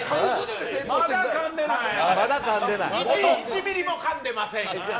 １ミリもかんでません。